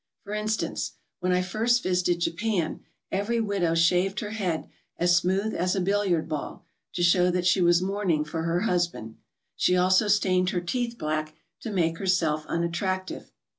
For instance, when I first visited Japan, every widow shaved her head as smooth as a billiard ball to show that she was mourning for her husband. She also stained her teeth black to make herself unattractive.